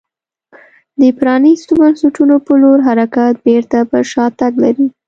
د پرانیستو بنسټونو په لور حرکت بېرته پر شا تګ لري.